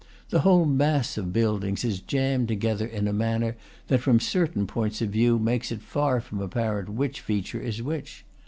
The whole mass of buildings is jammed together in a manner that from certain points of view makes it far from apparent which feature is which.